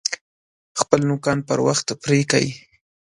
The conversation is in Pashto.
خپل نوکان پر وخت پرې کئ!